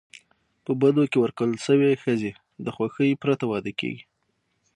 په بدو کي ورکول سوي ښځي د خوښی پرته واده کيږي.